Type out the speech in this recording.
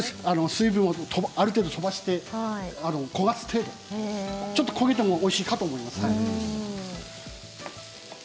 水分をある程度とばして焦がす程度ちょっと焦げてもおいしいかと思います。